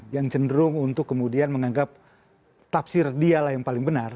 yang cenderung untuk kemudian menganggap tafsir dialah yang paling benar